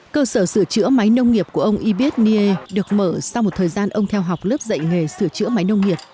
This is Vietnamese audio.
cơ sở sửa chữa máy nông nghiệp của ông ibit nie được mở sau một thời gian ông theo học lớp dạy nghề sửa chữa máy nông nghiệp